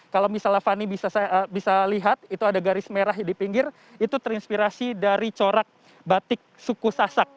kalau misalnya fani bisa lihat itu ada garis merah di pinggir itu terinspirasi dari corak batik suku sasak